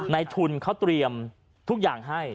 ในทุนเขาเตรียมทุกอย่างให้